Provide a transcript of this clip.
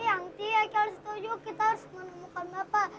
ya angti aku harus setuju kita harus menemukan bapak